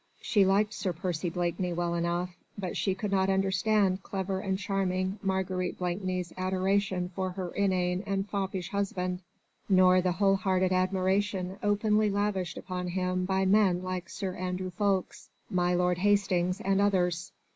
She liked Sir Percy Blakeney well enough, but she could not understand clever and charming Marguerite Blakeney's adoration for her inane and foppish husband, nor the whole hearted admiration openly lavished upon him by men like Sir Andrew Ffoulkes, my lord Hastings, and others.